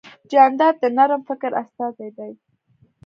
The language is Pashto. جانداد د نرم فکر استازی دی.